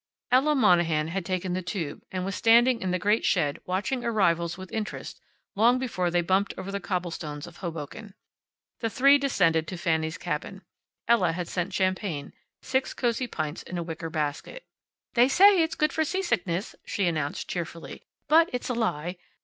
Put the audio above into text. Ella Monahan had taken the tube, and was standing in the great shed, watching arrivals with interest, long before they bumped over the cobblestones of Hoboken. The three descended to Fanny's cabin. Ella had sent champagne six cosy pints in a wicker basket. "They say it's good for seasickness," she announced, cheerfully, "but it's a lie.